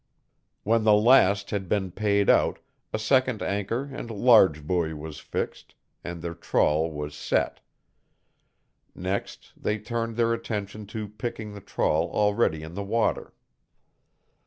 When the last had been paid out, a second anchor and large buoy was fixed, and their trawl was "set." Next they turned their attention to picking the trawl already in the water.